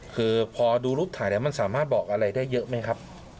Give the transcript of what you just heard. คือพอดูรูปถ่ายแล้วมันสามารถบอกอะไรได้เยอะไหมครับ